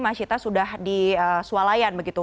mas cita sudah di sualayan begitu